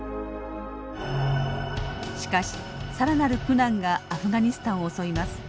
しかし更なる苦難がアフガニスタンを襲います。